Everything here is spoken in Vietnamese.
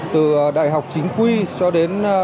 từ đại học chính quy cho đến